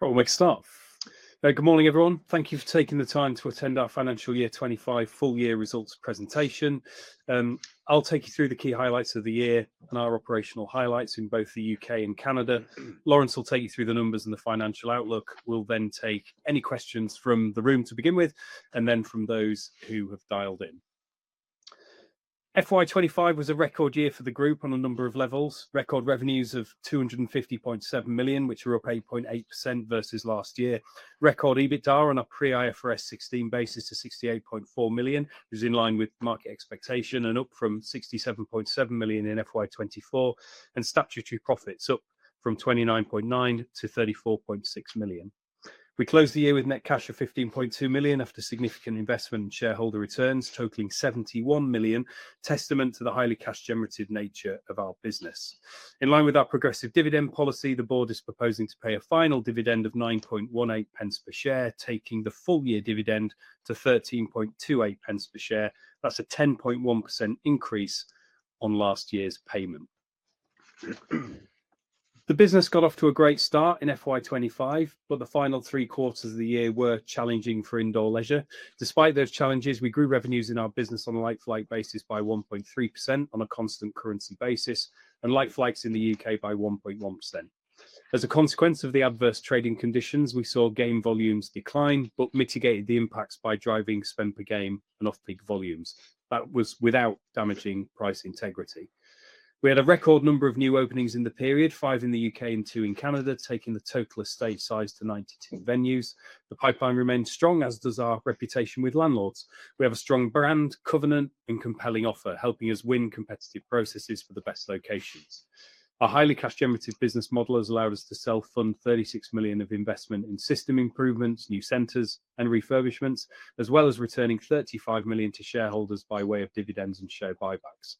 Good morning, everyone. Thank you for taking the time to attend our Financial Year 25 full-year results presentation. I'll take you through the key highlights of the year and our operational highlights in both the U.K. and Canada. Laurence will take you through the numbers and the financial outlook. We'll then take any questions from the room to begin with, and then from those who have dialed in. FY25 was a record year for the group on a number of levels. Record revenues of 250.7 million, which are up 8.8% versus last year. Record EBITDA on a pre-IFRS 16 basis to 68.4 million, which is in line with market expectation, and up from 67.7 million in FY24. Statutory profits up from 29.9 million to 34.6 million. We closed the year with net cash of 15.2 million after significant investment and shareholder returns, totaling 71 million, testament to the highly cash-generative nature of our business. In line with our progressive dividend policy, the board is proposing to pay a final dividend of 9.18 per share, taking the full-year dividend to 13.28 per share. That's a 10.1% increase on last year's payment. The business got off to a great start in FY25, but the final three quarters of the year were challenging for indoor leisure. Despite those challenges, we grew revenues in our business on a like-for-like basis by 1.3% on a constant currency basis, and like-for-likes in the U.K. by 1.1%. As a consequence of the adverse trading conditions, we saw game volumes decline, but mitigated the impacts by driving spend per game and off-peak volumes. That was without damaging price integrity. We had a record number of new openings in the period, five in the U.K. and two in Canada, taking the total estate size to 92 venues. The pipeline remained strong, as does our reputation with landlords. We have a strong brand, covenant, and compelling offer, helping us win competitive processes for the best locations. Our highly cash-generative business model has allowed us to self-fund 36 million of investment in system improvements, new centers, and refurbishments, as well as returning 35 million to shareholders by way of dividends and share buybacks.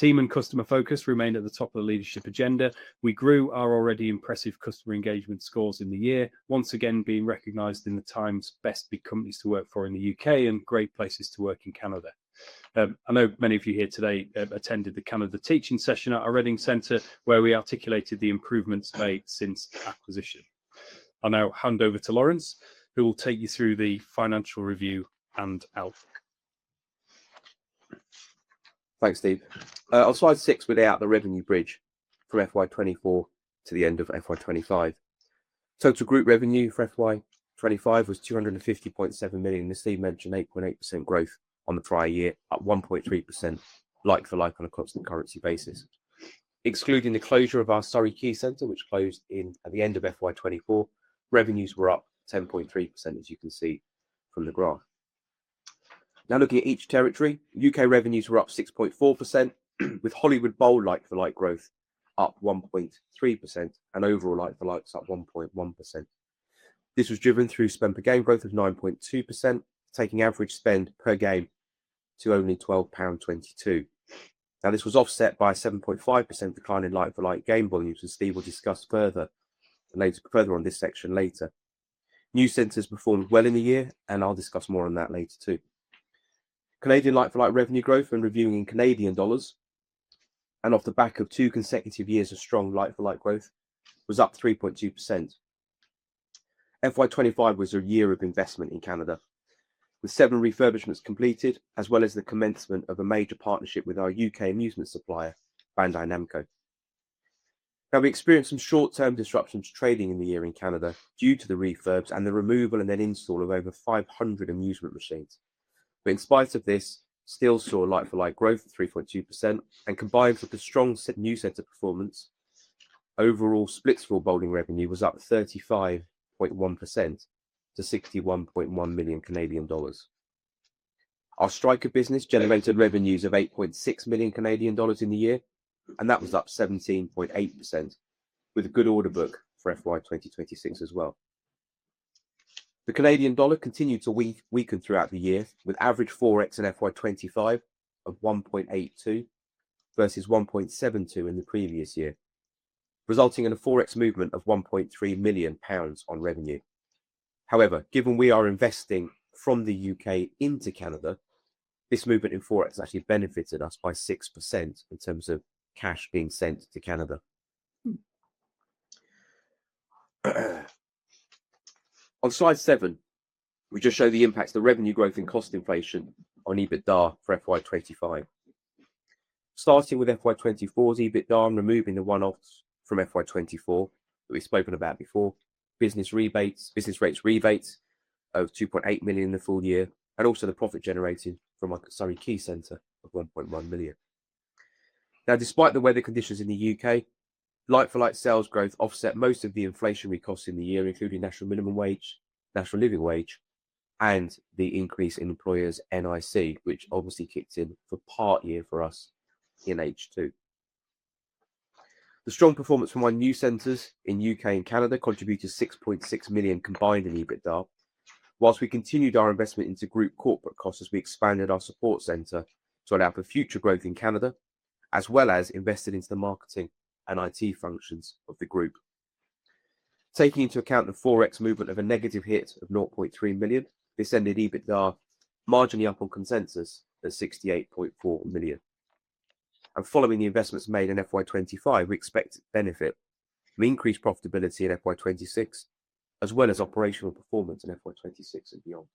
Team and customer focus remained at the top of the leadership agenda. We grew our already impressive customer engagement scores in the year, once again being recognized in The Sunday Times' Best Big Companies to Work For in the U.K. and great places to work in Canada. I know many of you here today attended the Canada teaching session at our Reading Center, where we articulated the improvements made since acquisition. I'll now hand over to Laurence, who will take you through the financial review and outlook. Thanks, Steve. I'll slide six without the revenue bridge from FY24 to the end of FY25. Total group revenue for FY25 was 250.7 million, and Steve mentioned 8.8% growth on the prior year at 1.3% like-for-like on a constant currency basis. Excluding the closure of our Surrey Quays Center, which closed at the end of FY24, revenues were up 10.3%, as you can see from the graph. Now looking at each territory, U.K. revenues were up 6.4%, with Hollywood Bowl like-for-like growth up 1.3% and overall like-for-likes up 1.1%. This was driven through spend per game growth of 9.2%, taking average spend per game to only 12.22 pound. Now, this was offset by a 7.5% decline in like-for-like game volumes, as Steve will discuss further on this section later. New centers performed well in the year, and I'll discuss more on that later, too. Canadian like-for-like revenue growth, when reviewing in Canadian dollars and off the back of two consecutive years of strong like-for-like growth, was up 3.2%. FY25 was a year of investment in Canada, with seven refurbishments completed, as well as the commencement of a major partnership with our U.K. amusement supplier, Bandai Namco. Now, we experienced some short-term disruptions to trading in the year in Canada due to the refurbs and the removal and then install of over 500 amusement machines. But in spite of this, still saw like-for-like growth of 3.2%, and combined with the strong new center performance, overall Splitsville bowling revenue was up 35.1% to 61.1 million Canadian dollars. Our Striker business generated revenues of 8.6 million Canadian dollars in the year, and that was up 17.8%, with a good order book for FY2026 as well. The Canadian dollar continued to weaken throughout the year, with average forex in FY25 of 1.82 versus 1.72 in the previous year, resulting in a forex movement of 1.3 million pounds on revenue. However, given we are investing from the U.K. into Canada, this movement in forex actually benefited us by 6% in terms of cash being sent to Canada. On slide seven, we just showed the impacts of revenue growth and cost inflation on EBITDA for FY25. Starting with FY24's EBITDA and removing the one-offs from FY24 that we've spoken about before, business rates rebates of 2.8 million in the full year, and also the profit generated from our Surrey Quays Center of 1.1 million. Now, despite the weather conditions in the U.K., like-for-like sales growth offset most of the inflationary costs in the year, including national minimum wage, national living wage, and the increase in employers' NIC, which obviously kicked in for part year for us in H2. The strong performance from our new centers in U.K. and Canada contributed 6.6 million combined in EBITDA, whilst we continued our investment into group corporate costs as we expanded our support center to allow for future growth in Canada, as well as invested into the marketing and IT functions of the group. Taking into account the forex movement of a negative hit of 0.3 million, this ended EBITDA marginally up on consensus at 68.4 million. And following the investments made in FY25, we expect benefit from increased profitability in FY26, as well as operational performance in FY26 and beyond.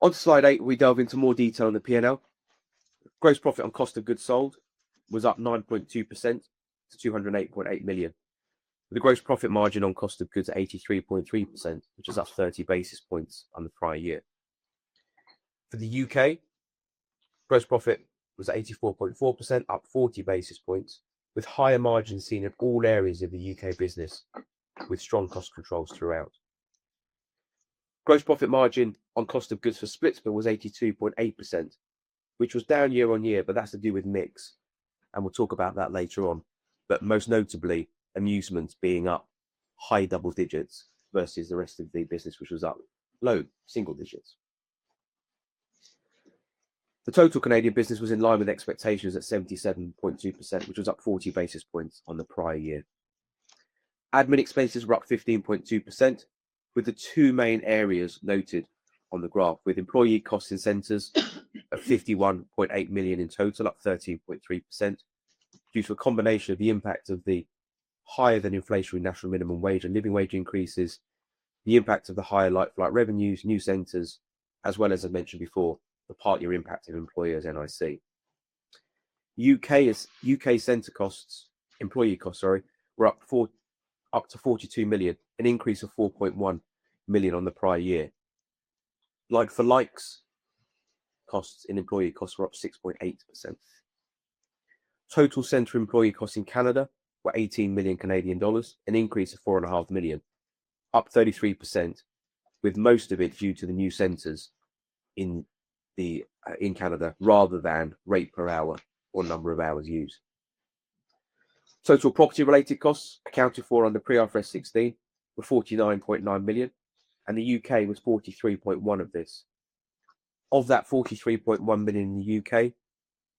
On slide eight, we delve into more detail on the P&L. Gross profit on cost of goods sold was up 9.2% to 208.8 million, with a gross profit margin on cost of goods at 83.3%, which is up 30 basis points on the prior year. For the U.K., gross profit was 84.4%, up 40 basis points, with higher margins seen in all areas of the U.K. business, with strong cost controls throughout. Gross profit margin on cost of goods for splits was 82.8%, which was down year- on-year, but that's to do with mix, and we'll talk about that later on. But most notably, amusements being up high double digits versus the rest of the business, which was up low single digits. The total Canadian business was in line with expectations at 77.2%, which was up 40 basis points on the prior year. Admin expenses were up 15.2%, with the two main areas noted on the graph, with employee costs in centers of 51.8 million in total, up 13.3%, due to a combination of the impact of the higher-than-inflationary national minimum wage and living wage increases, the impact of the higher like-for-like revenues, new centers, as well as, as mentioned before, the part-year impact of employers' NIC. U.K. center costs, employee costs, sorry, were up to 42 million, an increase of 4.1 million on the prior year. Like-for-like costs in employee costs were up 6.8%. Total center employee costs in Canada were 18 million Canadian dollars Canadian, an increase of 4.5 million, up 33%, with most of it due to the new centers in Canada rather than rate per hour or number of hours used. Total property-related costs accounted for under pre-IFRS 16 were 49.9 million, and the U.K. was 43.1 of this. Of that 43.1 million in the U.K.,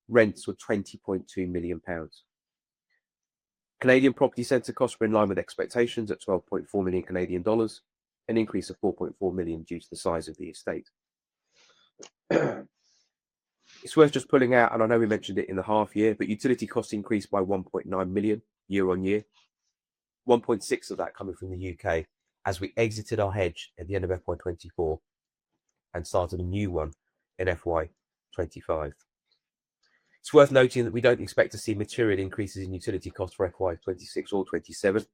rents were 20.2 million pounds. Canadian property center costs were in line with expectations at 12.4 million Canadian dollars, an increase of 4.4 million due to the size of the estate. It's worth just pulling out, and I know we mentioned it in the half year, but utility costs increased by 1.9 million year-on-year. 1.6 of that coming from the U.K. as we exited our hedge at the end of FY24 and started a new one in FY25. It's worth noting that we don't expect to see material increases in utility costs for FY26 or FY27,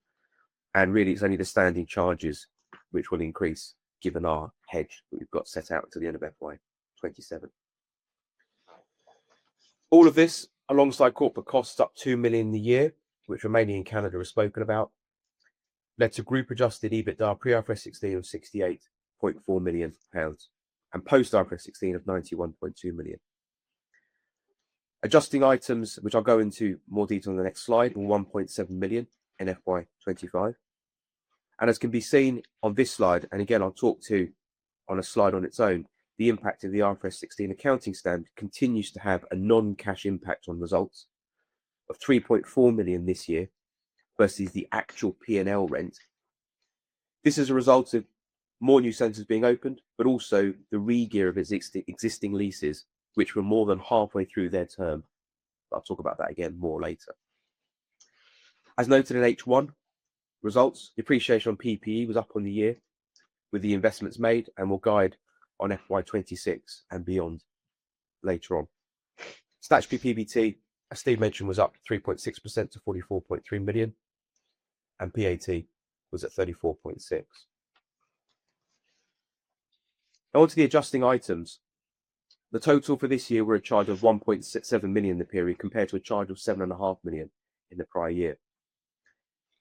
and really it's only the standing charges which will increase given our hedge that we've got set out to the end of FY27. All of this, alongside corporate costs, up 2 million in the year, which remaining in Canada we've spoken about, led to group-adjusted EBITDA pre-IFRS 16 of 68.4 million pounds and post-IFRS 16 of 91.2 million. Adjusting items, which I'll go into more detail on the next slide, were 1.7 million in FY25, and as can be seen on this slide, and again, I'll talk to on a slide on its own, the impact of the IFRS 16 accounting standard continues to have a non-cash impact on results of 3.4 million this year versus the actual P&L rent. This is a result of more new centers being opened, but also the re-gear of existing leases, which were more than halfway through their term. I'll talk about that again more later. As noted in H1 results, depreciation on PPE was up on the year with the investments made and will guide on FY26 and beyond later on. Statutory PBT, as Steve mentioned, was up 3.6% to 44.3 million, and PAT was at 34.6 million. Now, onto the adjusting items. The total for this year were a charge of 1.7 million in the period compared to a charge of 7.5 million in the prior year.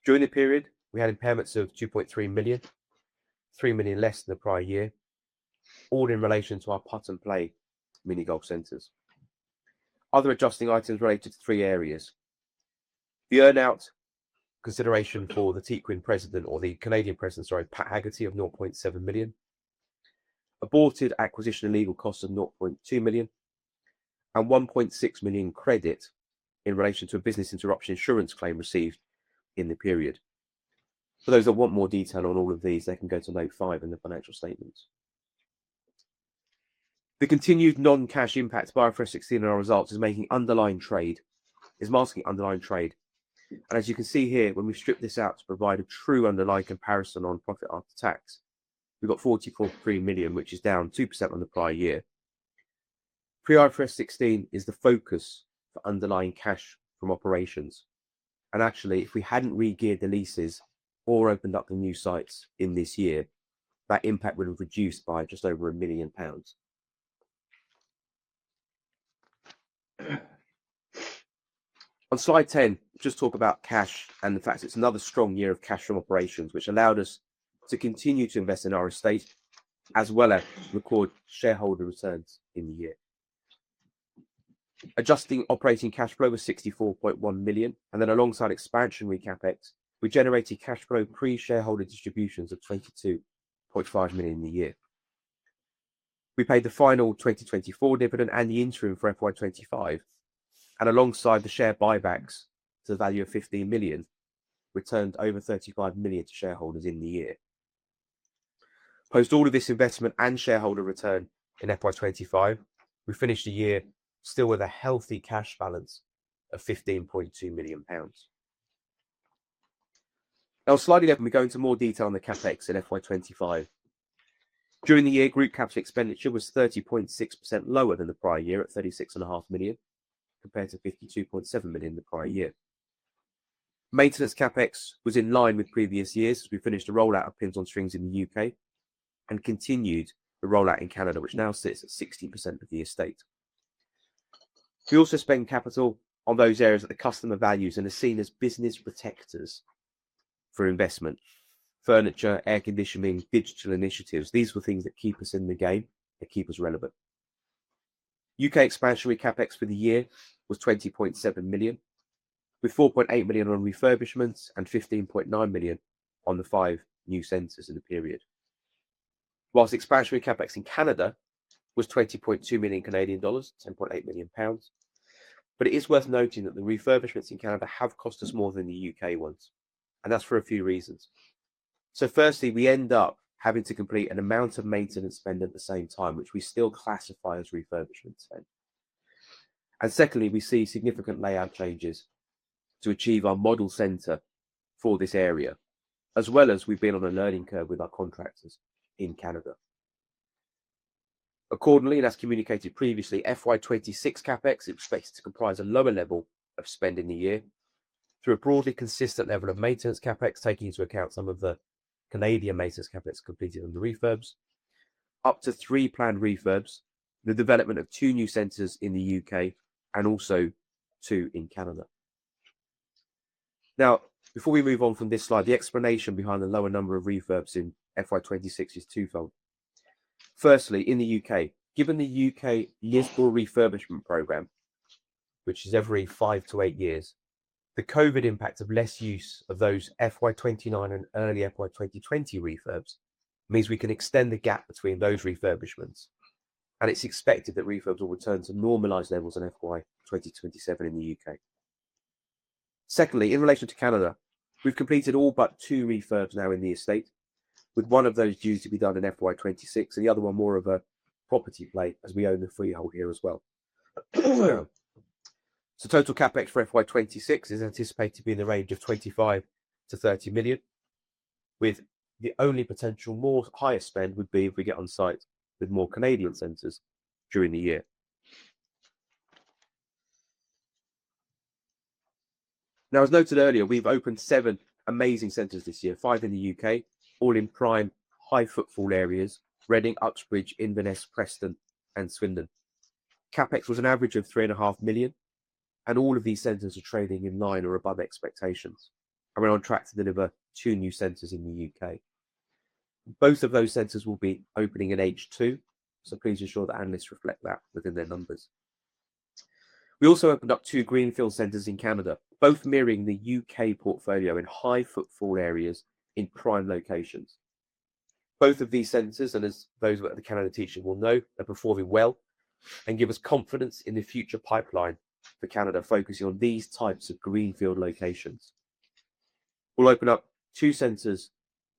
During the period, we had impairments of 2.3 million, 3 million less than the prior year, all in relation to our Putt & Play mini golf centers. Other adjusting items related to three areas. The earn-out consideration for the Canadian President, sorry, Pat Haggerty of 0.7 million, aborted acquisition and legal costs of 0.2 million, and 1.6 million credit in relation to a business interruption insurance claim received in the period. For those that want more detail on all of these, they can go to note five in the financial statements. The continued non-cash impact by IFRS 16 in our results is making underlying trade, is masking underlying trade, and as you can see here, when we strip this out to provide a true underlying comparison on profit after tax, we've got 44.3 million, which is down 2% on the prior year. Pre-IFRS 16 is the focus for underlying cash from operations, and actually, if we hadn't re-geared the leases or opened up the new sites in this year, that impact would have reduced by just over a million pounds. On slide 10, just talk about cash and the fact it's another strong year of cash from operations, which allowed us to continue to invest in our estate as well as record shareholder returns in the year. Adjusting operating cash flow was 64.1 million, and then alongside expansion CapEx, we generated cash flow pre-shareholder distributions of 22.5 million in the year. We paid the final 2024 dividend and the interim for FY25, and alongside the share buybacks to the value of 15 million, returned over 35 million to shareholders in the year. Post all of this investment and shareholder return in FY25, we finished the year still with a healthy cash balance of 15.2 million pounds. Now, sliding up, we're going into more detail on the CapEx in FY25. During the year, group capital expenditure was 30.6% lower than the prior year at 36.5 million compared to 52.7 million the prior year. Maintenance CapEx was in line with previous years as we finished a rollout of pins on strings in the U.K. and continued the rollout in Canada, which now sits at 60% of the estate. We also spend capital on those areas that are customer values and are seen as business protectors for investment. Furniture, air conditioning, digital initiatives, these were things that keep us in the game and keep us relevant. U.K. expansion CapEx for the year was 20.7 million, with 4.8 million on refurbishments and 15.9 million on the five new centers in the period. Whilst expansion CapEx in Canada was 20.2 million Canadian dollars, 10.8 million pounds, but it is worth noting that the refurbishments in Canada have cost us more than the U.K. ones, and that's for a few reasons. So firstly, we end up having to complete an amount of maintenance spend at the same time, which we still classify as refurbishment spend. And secondly, we see significant layout changes to achieve our model center for this area, as well as we've been on a learning curve with our contractors in Canada. Accordingly, and as communicated previously, FY26 CapEx expects to comprise a lower level of spend in the year through a broadly consistent level of maintenance CapEx, taking into account some of the Canadian maintenance CapEx completed on the refurbs, up to three planned refurbs, the development of two new centers in the U.K., and also two in Canada. Now, before we move on from this slide, the explanation behind the lower number of refurbs in FY26 is twofold. Firstly, in the U.K., given the U.K.year-to-year refurbishment program, which is every five to eight years, the COVID impact of less use of those FY19 and early FY2020 refurbs means we can extend the gap between those refurbishments, and it's expected that refurbs will return to normalized levels in FY2027 in the U.K.. Secondly, in relation to Canada, we've completed all but two refurbs now in the estate, with one of those due to be done in FY26 and the other one more of a property play as we own the freehold here as well. So total CapEx for FY26 is anticipated to be in the range of 25 million-30 million, with the only potential more higher spend would be if we get on site with more Canadian centers during the year. Now, as noted earlier, we've opened seven amazing centers this year, five in the U.K., all in prime high-footfall areas, Reading, Uxbridge, Inverness, Preston, and Swindon. CapEx was an average of 3.5 million, and all of these centers are trading in line or above expectations and we're on track to deliver two new centers in the U.K.. Both of those centers will be opening in H2, so please ensure the analysts reflect that within their numbers. We also opened up two greenfield centers in Canada, both mirroring the U.K. portfolio in high-footfall areas in prime locations. Both of these centers, and as those at the Canadian team will know, are performing well and give us confidence in the future pipeline for Canada focusing on these types of greenfield locations. We'll open up two centers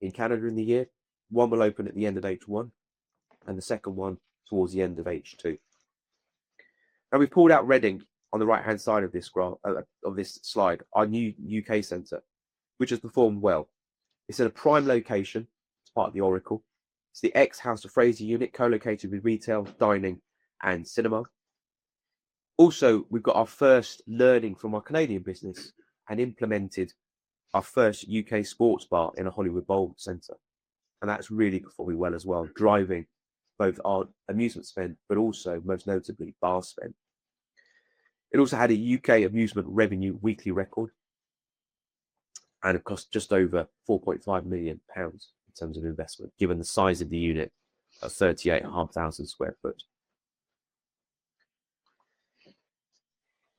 in Canada in the year. One will open at the end of H1 and the second one towards the end of H2. Now, we've pulled out Reading on the right-hand side of this graph of this slide, our new U.K. center, which has performed well. It's in a prime location. It's part of The Oracle. It's the ex-House of Fraser unit, co-located with retail, dining, and cinema. Also, we've got our first learning from our Canadian business and implemented our first U.K. sports bar in a Hollywood Bowl center, and that's really performing well as well, driving both our amusement spend, but also most notably bar spend. It also had a U.K. amusement revenue weekly record and, of course, just over 4.5 million pounds in terms of investment, given the size of the unit of 38,500 sq ft.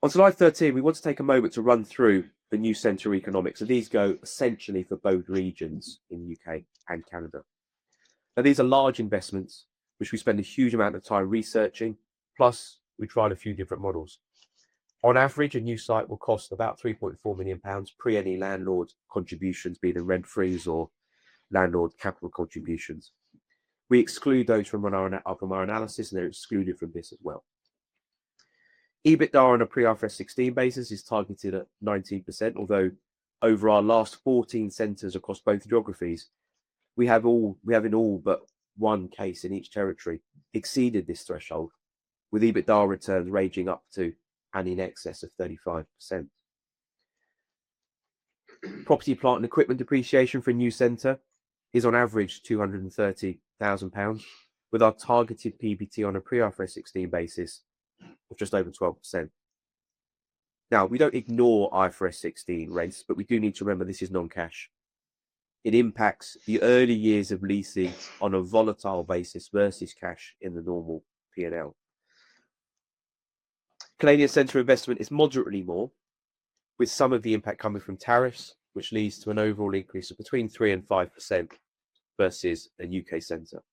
On slide 13, we want to take a moment to run through the new center economics. These go essentially for both regions in the U.K. and Canada. Now, these are large investments, which we spend a huge amount of time researching, plus we tried a few different models. On average, a new site will cost about 3.4 million pounds pre-any landlord contributions, be it in rent freeze or landlord capital contributions. We exclude those from our analysis, and they're excluded from this as well. EBITDA on a pre-IFRS 16 basis is targeted at 19%, although over our last 14 centers across both geographies, we have in all but one case in each territory exceeded this threshold, with EBITDA returns ranging up to and in excess of 35%. Property, plant and equipment depreciation for a new center is on average 230,000 pounds, with our targeted PBT on a pre-IFRS 16 basis of just over 12%. Now, we don't ignore IFRS 16 rents, but we do need to remember this is non-cash. It impacts the early years of leasing on a volatile basis versus cash in the normal P&L. Canadian center investment is moderately more, with some of the impact coming from tariffs, which leads to an overall increase of between 3% and 5% versus a U.K. center.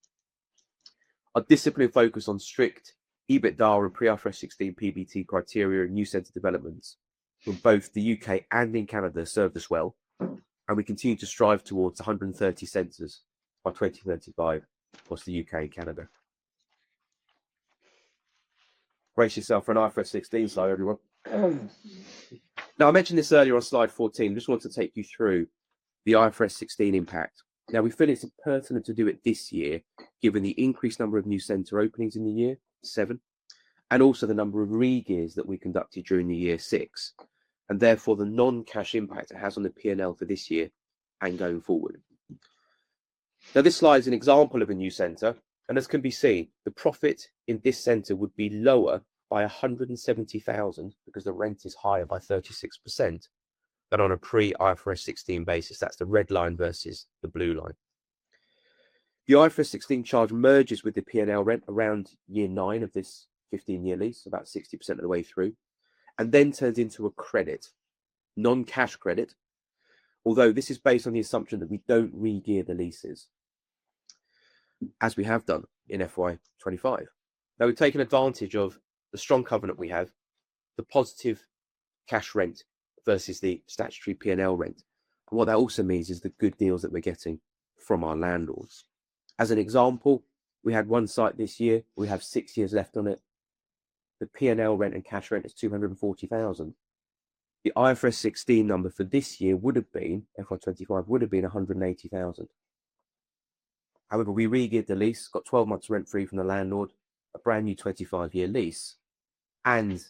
Our disciplined focus on strict EBITDA and pre-IFRS 16 PBT criteria in new center developments from both the U.K. and in Canada served us well, and we continue to strive towards 130 centers by 2035 across the U.K. and Canada. Brace yourself for an IFRS 16 slide, everyone. Now, I mentioned this earlier on slide 14. I just want to take you through the IFRS 16 impact. Now, we feel it's important to do it this year given the increased number of new center openings in the year 2007 and also the number of re-gears that we conducted during the year six, and therefore the non-cash impact it has on the P&L for this year and going forward. Now, this slide is an example of a new center, and as can be seen, the profit in this center would be lower by 170,000 because the rent is higher by 36% than on a pre-IFRS 16 basis. That's the red line versus the blue line. The IFRS 16 charge merges with the P&L rent around year nine of this 15-year lease, about 60% of the way through, and then turns into a credit, non-cash credit, although this is based on the assumption that we don't re-gear the leases, as we have done in FY25. Now, we've taken advantage of the strong covenant we have, the positive cash rent versus the statutory P&L rent. What that also means is the good deals that we're getting from our landlords. As an example, we had one site this year. We have six years left on it. The P&L rent and cash rent is 240,000. The IFRS 16 number for this year would have been, FY25 would have been 180,000. However, we re-geared the lease, got 12 months rent-free from the landlord, a brand new 25-year lease, and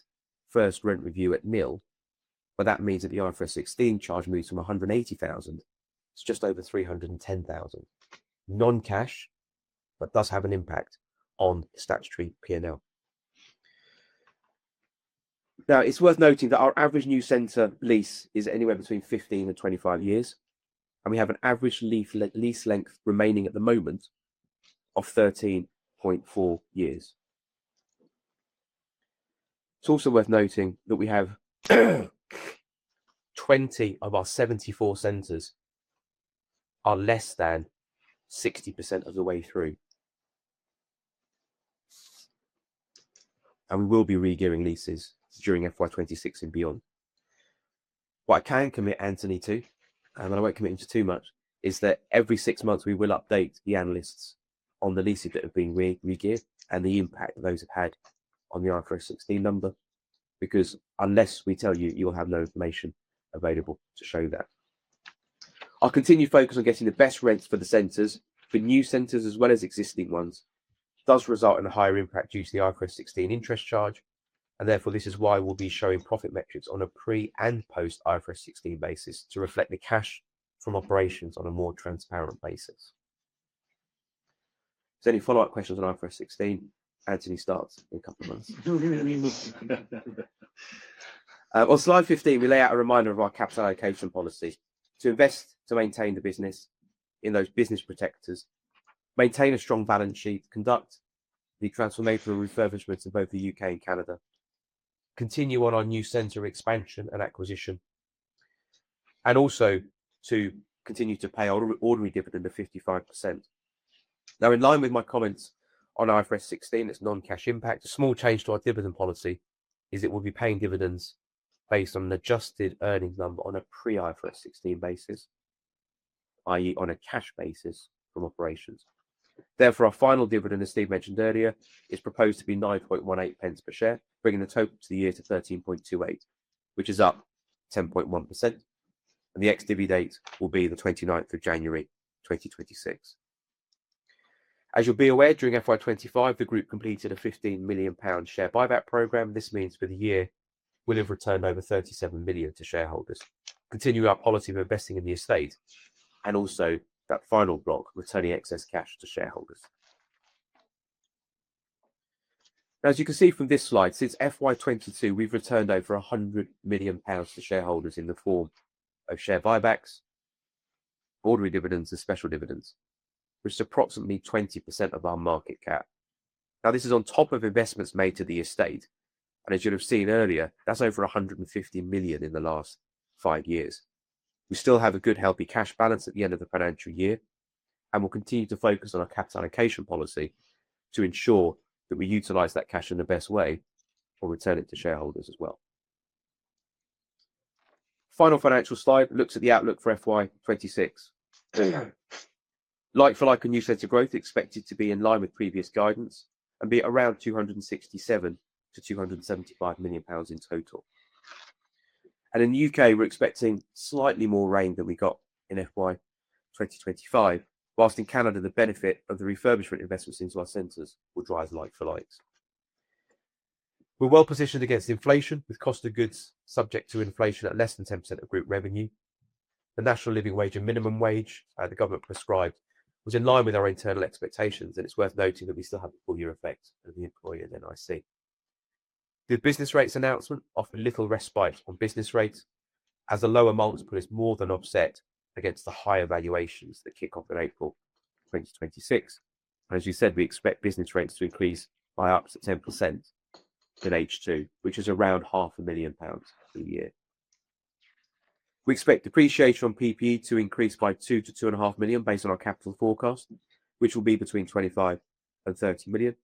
first rent review at nil, but that means that the IFRS 16 charge moves from 180,000 to just over 310,000, non-cash, but does have an impact on statutory P&L. Now, it's worth noting that our average new center lease is anywhere between 15 and 25 years, and we have an average lease length remaining at the moment of 13.4 years. It's also worth noting that we have 20 of our 74 centers are less than 60% of the way through, and we will be re-gearing leases during FY26 and beyond. What I can commit Antony to, and I won't commit him to too much, is that every six months we will update the analysts on the leases that have been re-geared and the impact those have had on the IFRS 16 number, because unless we tell you, you'll have no information available to show that. Our continued focus on getting the best rents for the centers, for new centers as well as existing ones, does result in a higher impact due to the IFRS 16 interest charge, and therefore this is why we'll be showing profit metrics on a pre- and post-IFRS 16 basis to reflect the cash from operations on a more transparent basis. Is there any follow-up questions on IFRS 16? Antony starts in a couple of months. On slide 15, we lay out a reminder of our capital allocation policy to invest, to maintain the business in those business protectors, maintain a strong balance sheet, conduct the transformation of refurbishments in both the U.K. and Canada, continue on our new center expansion and acquisition, and also to continue to pay ordinary dividend of 55%. Now, in line with my comments on IFRS 16, it's non-cash impact. A small change to our dividend policy is it will be paying dividends based on an adjusted earnings number on a pre-IFRS 16 basis, i.e., on a cash basis from operations. Therefore, our final dividend, as Steve mentioned earlier, is proposed to be 9.18 pence per share, bringing the total to the year to 13.28, which is up 10.1%, and the ex-div date will be the 29th of January 2026. As you'll be aware, during FY25, the group completed a 15 million pound share buyback program. This means for the year we'll have returned over 37 million to shareholders, continuing our policy of investing in the estate and also that final block returning excess cash to shareholders. Now, as you can see from this slide, since FY22, we've returned over 100 million pounds to shareholders in the form of share buybacks, ordinary dividends, and special dividends, which is approximately 20% of our market cap. Now, this is on top of investments made to the estate, and as you'll have seen earlier, that's over 150 million in the last five years. We still have a good healthy cash balance at the end of the financial year, and we'll continue to focus on our capital allocation policy to ensure that we utilize that cash in the best way or return it to shareholders as well. Final financial slide looks at the outlook for FY26. Like-for-like and new center growth expected to be in line with previous guidance and be around 267 million-275 million pounds in total. In the U.K., we're expecting slightly more rain than we got in FY25, while in Canada, the benefit of the refurbishment investments into our centers will drive like-for-likes. We're well positioned against inflation, with cost of goods subject to inflation at less than 10% of group revenue. The National Living Wage and National Minimum Wage the government prescribed was in line with our internal expectations, and it's worth noting that we still have a full year effect of the employer NIC. The business rates announcement offered little respite on business rates as the lower multiple is more than offset against the higher valuations that kick off in April 2026. As you said, we expect business rates to increase by up to 10% in H2, which is around 500,000 pounds per year. We expect depreciation on PPE to increase by 2million-2.5 million based on our capital forecast, which will be between 25 and 30 million,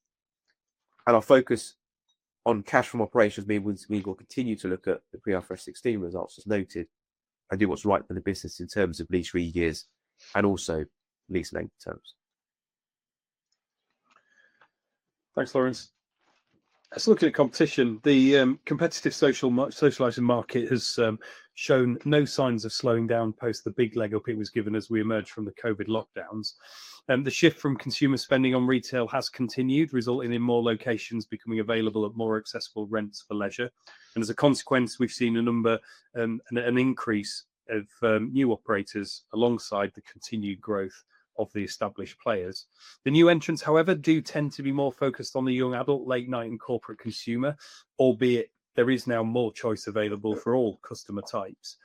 and our focus on cash from operations means we will continue to look at the pre-IFRS 16 results as noted and do what's right for the business in terms of lease re-gears and also lease length terms. Thanks, Laurence. Let's look at competition. The competitive social market has shown no signs of slowing down post the big leg up it was given as we emerged from the COVID lockdowns. The shift from consumer spending on retail has continued, resulting in more locations becoming available at more accessible rents for leisure, and as a consequence, we've seen a number and an increase of new operators alongside the continued growth of the established players. The new entrants, however, do tend to be more focused on the young adult, late-night, and corporate consumer, albeit there is now more choice available for all customer types.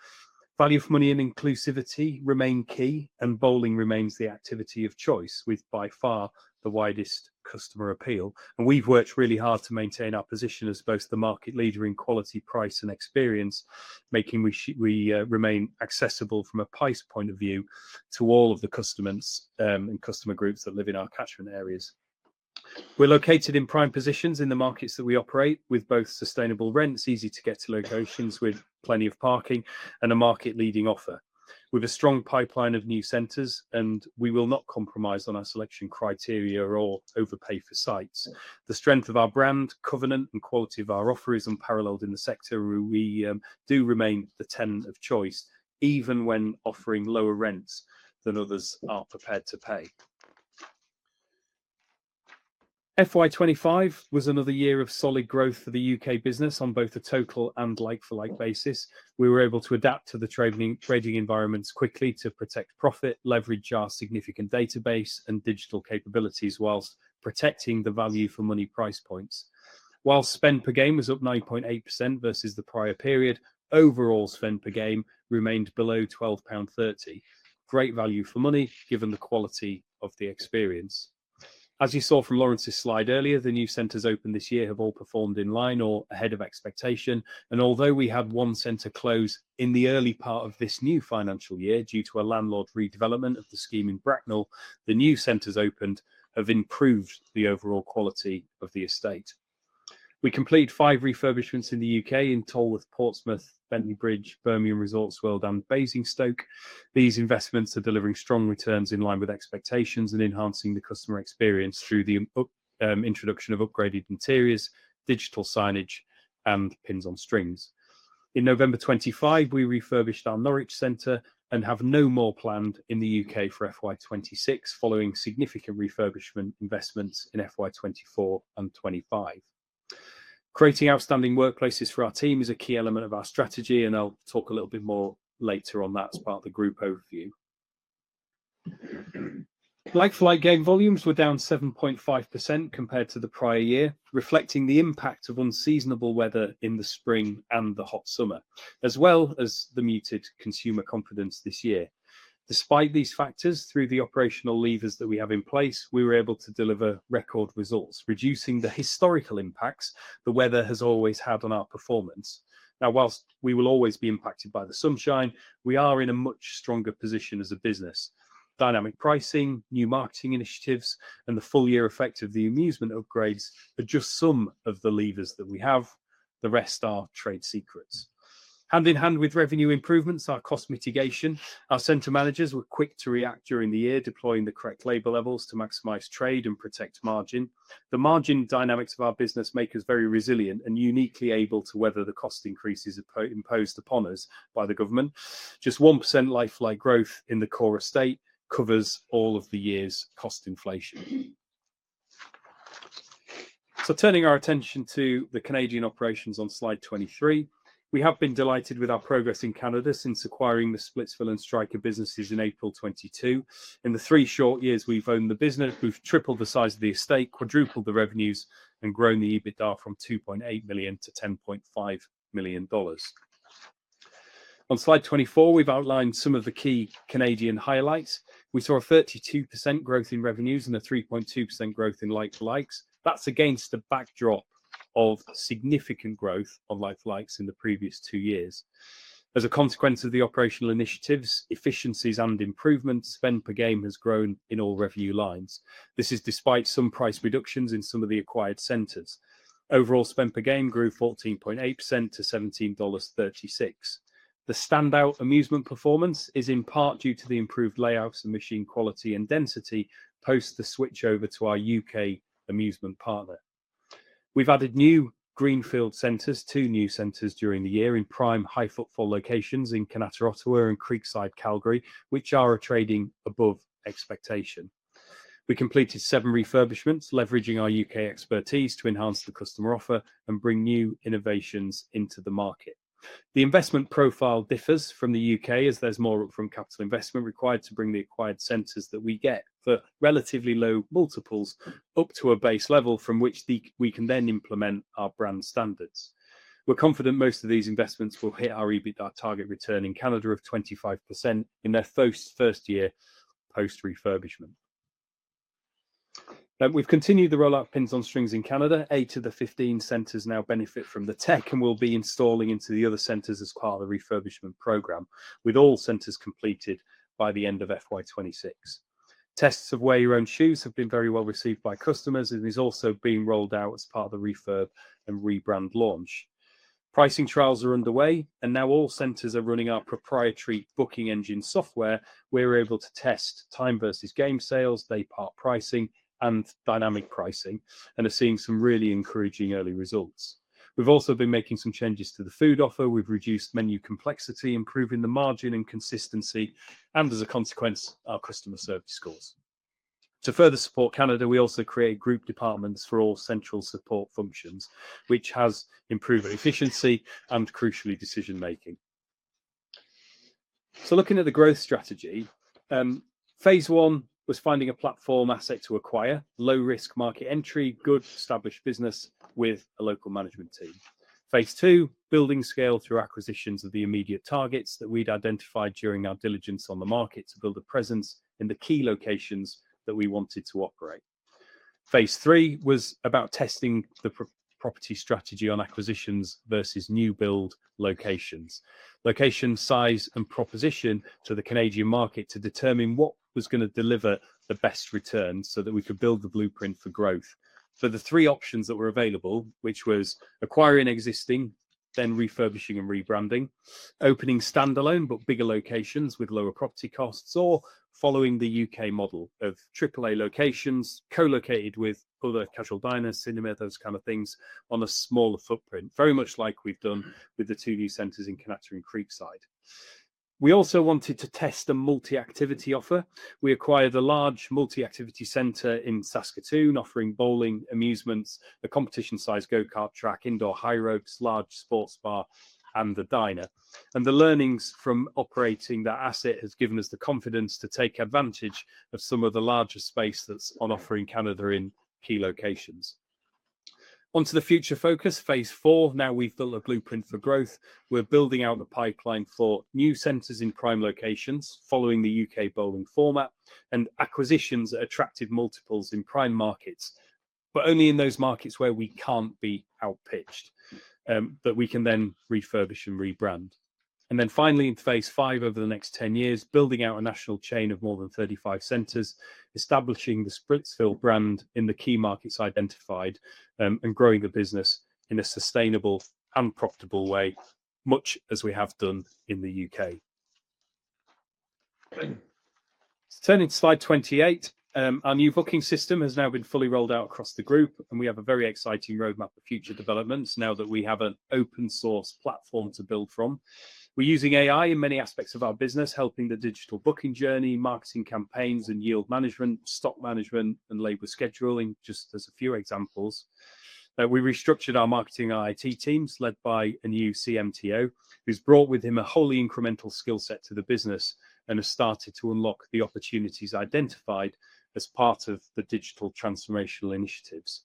Value for money and inclusivity remain key, and bowling remains the activity of choice with by far the widest customer appeal, and we've worked really hard to maintain our position as both the market leader in quality, price, and experience, making we remain accessible from a price point of view to all of the customers and customer groups that live in our catchment areas. We're located in prime positions in the markets that we operate with both sustainable rents, easy-to-get locations with plenty of parking, and a market-leading offer. We have a strong pipeline of new centers, and we will not compromise on our selection criteria or overpay for sites. The strength of our brand, covenant, and quality of our offer is unparalleled in the sector where we do remain the tenant of choice, even when offering lower rents than others are prepared to pay. FY25 was another year of solid growth for the U.K. business on both a total and like-for-like basis. We were able to adapt to the trading environments quickly to protect profit, leverage our significant database, and digital capabilities whilst protecting the value for money price points. While spend per game was up 9.8% versus the prior period, overall spend per game remained below 12.30 pound. Great value for money given the quality of the experience. As you saw from Laurence's slide earlier, the new centers opened this year have all performed in line or ahead of expectation. And although we had one center close in the early part of this new financial year due to a landlord redevelopment of the scheme in Bracknell, the new centers opened have improved the overall quality of the estate. We completed five refurbishments in the U.K. in Tolworth, Portsmouth, Bentley Bridge, Birmingham Resorts World, and Basingstoke. These investments are delivering strong returns in line with expectations and enhancing the customer experience through the introduction of upgraded interiors, digital signage, and pins on strings. In November 2025, we refurbished our Norwich center and have no more planned in the U.K. for FY26 following significant refurbishment investments in FY24 and 25. Creating outstanding workplaces for our team is a key element of our strategy, and I'll talk a little bit more later on that as part of the group overview. Like-for-like game volumes were down 7.5% compared to the prior year, reflecting the impact of unseasonable weather in the spring and the hot summer, as well as the muted consumer confidence this year. Despite these factors, through the operational levers that we have in place, we were able to deliver record results, reducing the historical impacts the weather has always had on our performance. Now, whilst we will always be impacted by the sunshine, we are in a much stronger position as a business. Dynamic pricing, new marketing initiatives, and the full year effect of the amusement upgrades are just some of the levers that we have. The rest are trade secrets. Hand in hand with revenue improvements, our cost mitigation, our center managers were quick to react during the year, deploying the correct labor levels to maximize trade and protect margin. The margin dynamics of our business make us very resilient and uniquely able to weather the cost increases imposed upon us by the government. Just 1% like-for-like growth in the core estate covers all of the year's cost inflation. So turning our attention to the Canadian operations on slide 23, we have been delighted with our progress in Canada since acquiring the Splitsville and Striker businesses in April 2022. In the three short years we've owned the business, we've tripled the size of the estate, quadrupled the revenues, and grown the EBITDA from 2.8 million-10.5 million dollars. On slide 24, we've outlined some of the key Canadian highlights. We saw a 32% growth in revenues and a 3.2% growth in like-for-likes. That's against a backdrop of significant growth on like-for-likes in the previous two years. As a consequence of the operational initiatives, efficiencies and improvements, spend per game has grown in all revenue lines. This is despite some price reductions in some of the acquired centers. Overall, spend per game grew 14.8% to GBP 17.36. The standout amusement performance is in part due to the improved layouts and machine quality and density post the switch over to our U.K. amusement partner. We've added new greenfield centers, two new centers during the year in prime high footfall locations in Kanata, Ottawa and Creekside, Calgary, which are trading above expectation. We completed seven refurbishments, leveraging our U.K. expertise to enhance the customer offer and bring new innovations into the market. The investment profile differs from the U.K. as there's more from capital investment required to bring the acquired centers that we get for relatively low multiples up to a base level from which we can then implement our brand standards. We're confident most of these investments will hit our EBITDA target return in Canada of 25% in their first year post refurbishment. We've continued the roll-out pins on strings in Canada. Eight of the 15 centers now benefit from the tech and will be installing into the other centers as part of the refurbishment program, with all centers completed by the end of FY26. Tests of Wear Your Own Shoes have been very well received by customers and is also being rolled out as part of the refurb and rebrand launch. Pricing trials are underway and now all centers are running our proprietary booking engine software. We're able to test time versus game sales, day-part pricing, and dynamic pricing and are seeing some really encouraging early results. We've also been making some changes to the food offer. We've reduced menu complexity, improving the margin and consistency, and as a consequence, our customer service scores. To further support Canada, we also create group departments for all central support functions, which has improved efficiency and crucially decision-making. So looking at the growth strategy, phase one was finding a platform asset to acquire, low-risk market entry, good established business with a local management team. Phase two, building scale through acquisitions of the immediate targets that we'd identified during our diligence on the market to build a presence in the key locations that we wanted to operate. Phase three was about testing the property strategy on acquisitions versus new build locations, location size and proposition to the Canadian market to determine what was going to deliver the best return so that we could build the blueprint for growth. For the three options that were available, which was acquiring existing, then refurbishing and rebranding, opening standalone but bigger locations with lower property costs, or following the U.K. model of AAA locations co-located with other casual diners, cinema, those kind of things on a smaller footprint, very much like we've done with the two new centers in Kanata and Creekside. We also wanted to test a multi-activity offer. We acquired a large multi-activity center in Saskatoon offering bowling, amusements, a competition-sized go-kart track, indoor high ropes, large sports bar, and the diner. The learnings from operating that asset have given us the confidence to take advantage of some of the larger space that's on offer in Canada in key locations. Onto the future focus, phase four. Now we've built a blueprint for growth. We're building out the pipeline for new centers in prime locations following the U.K. bowling format and acquisitions that attracted multiples in prime markets, but only in those markets where we can't be outpitched, that we can then refurbish and rebrand. Then finally, in phase five over the next 10 years, building out a national chain of more than 35 centers, establishing the Splitsville brand in the key markets identified and growing the business in a sustainable and profitable way, much as we have done in the U.K. Turning to slide 28, our new booking system has now been fully rolled out across the group, and we have a very exciting roadmap for future developments now that we have an open-source platform to build from. We're using AI in many aspects of our business, helping the digital booking journey, marketing campaigns and yield management, stock management, and labor scheduling, just as a few examples. We restructured our marketing and IT teams led by a new CMTO who's brought with him a wholly incremental skill set to the business and has started to unlock the opportunities identified as part of the digital transformational initiatives.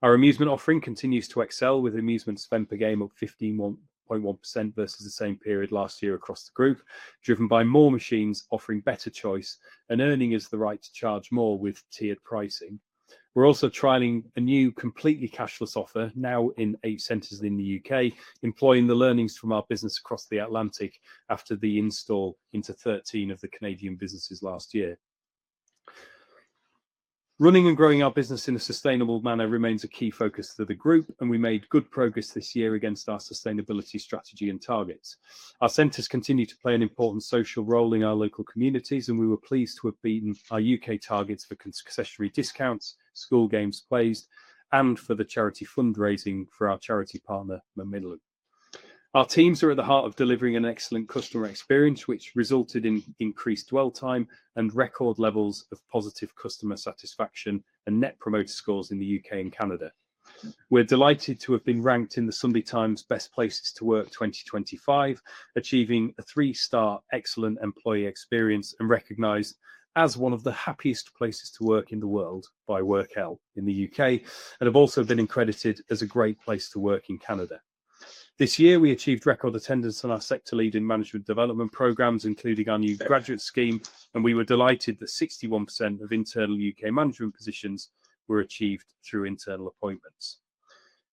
Our amusement offering continues to excel with amusement spend per game of 15.1% versus the same period last year across the group, driven by more machines offering better choice and earning as the right to charge more with tiered pricing. We're also trialing a new completely cashless offer now in eight centers in the U.K., employing the learnings from our business across the Atlantic after the install into 13 of the Canadian businesses last year. Running and growing our business in a sustainable manner remains a key focus for the group, and we made good progress this year against our sustainability strategy and targets. Our centers continue to play an important social role in our local communities, and we were pleased to have beaten our U.K. targets for concessionary discounts, school games played, and for the charity fundraising for our charity partner, Macmillan. Our teams are at the heart of delivering an excellent customer experience, which resulted in increased dwell time and record levels of positive customer satisfaction and Net Promoter Scores in the U.K. and Canada. We're delighted to have been ranked in The Sunday Times Best Places to Work 2025, achieving a three-star excellent employee experience and recognized as one of the happiest places to work in the world by WorkL in the U.K., and have also been accredited as a great place to work in Canada. This year, we achieved record attendance on our sector-leading management development programs, including our new graduate scheme, and we were delighted that 61% of internal U.K. management positions were achieved through internal appointments.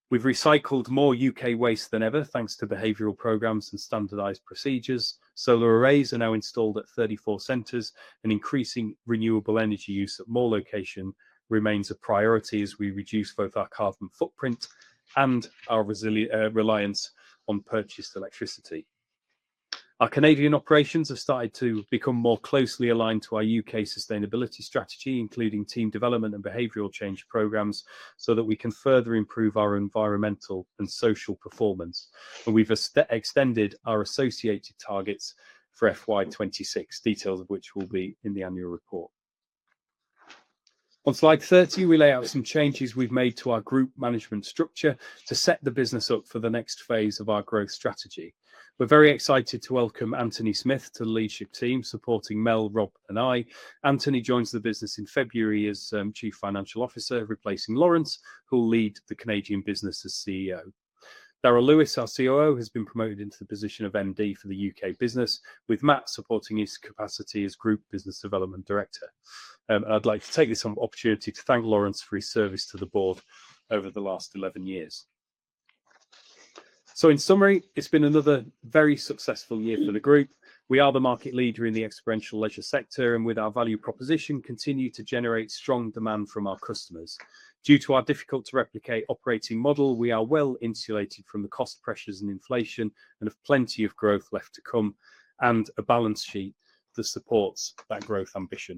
We've recycled more U.K. waste than ever thanks to behavioral programs and standardized procedures. Solar arrays are now installed at 34 centers, and increasing renewable energy use at more locations remains a priority as we reduce both our carbon footprint and our reliance on purchased electricity. Our Canadian operations have started to become more closely aligned to our U.K. sustainability strategy, including team development and behavioral change programs so that we can further improve our environmental and social performance, and we've extended our associated targets for FY26, details of which will be in the annual report. On slide 30, we lay out some changes we've made to our group management structure to set the business up for the next phase of our growth strategy. We're very excited to welcome Antony Smith to the leadership team supporting Mel, Rob, and I. Antony joins the business in February as Chief Financial Officer, replacing Laurence, who will lead the Canadian business as CEO. Darryl Lewis, our COO, has been promoted into the position of MD for the U.K. business, with Mat supporting his capacity as Group Business Development Director. I'd like to take this opportunity to thank Laurence for his service to the board over the last 11 years. So in summary, it's been another very successful year for the group. We are the market leader in the experiential leisure sector, and with our value proposition, continue to generate strong demand from our customers. Due to our difficult-to-replicate operating model, we are well insulated from the cost pressures and inflation and have plenty of growth left to come and a balance sheet that supports that growth ambition.